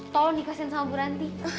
tolong dikasih sama bu ranti